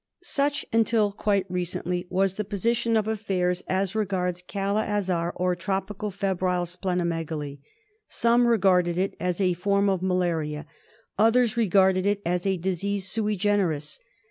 Such, until quite recently, was the position of affairs as regards Kala Azar or tropical febrile spleno megaly. Some regarded it as a form of malaria, others regarded it as a disease sui generis.